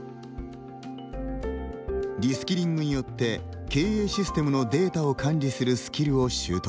リスキリングによって経営システムのデータを管理するスキルを習得。